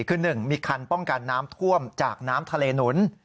คือ๑มีคันป้องกันน้ำท่วมจากน้ำทะเลหนุน